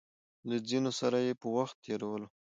له ځينو سره يې په وخت تېرولو